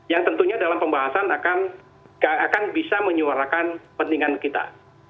yang tentunya dalam pembahasan akan bisa menyuarakan pentingan kita